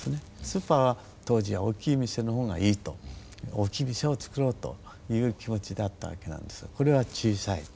スーパーは当時は大きい店のほうがいいと大きい店を作ろうという気持ちだったわけなんですがこれは小さい。